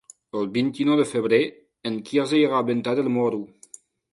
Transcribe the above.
El vint-i-nou de febrer en Quirze irà a Venta del Moro.